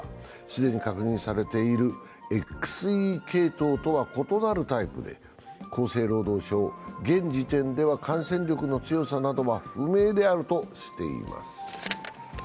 既に確認されているＸＥ系統とは異なるタイプで厚生労働省、現時点では感染力の強さなどは不明であるとしています。